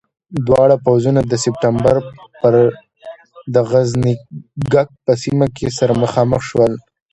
دواړه پوځونه د سپټمبر پر د غزنيګک په سیمه کې سره مخامخ شول.